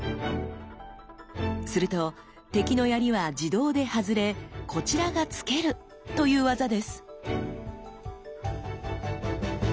すると敵の槍は自動で外れこちらが突けるという技です。